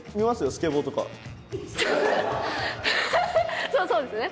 スケボーそうですね。